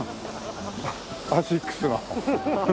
アシックスが。